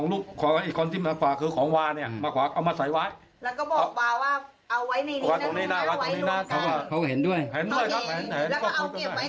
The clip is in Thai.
แล้วก็โทรไปหาหนู